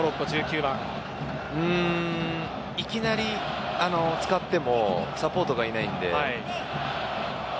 いきなり使ってもサポートがいないので。